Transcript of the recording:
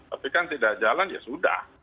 tapi kan tidak jalan ya sudah